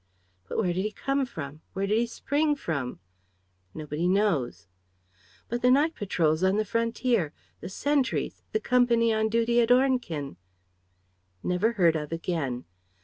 "But where did he come from? Where did he spring from?" "Nobody knows." "But the night patrols on the frontier? The sentries? The company on duty at Ornequin?" "Never heard of again.